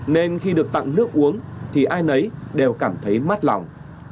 nên khi được tặng nước uống thì ai nấy đều cảm thấy mát lòng